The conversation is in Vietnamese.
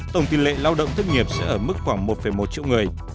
tổng tỷ lệ lao động thất nghiệp sẽ ở mức khoảng một một triệu người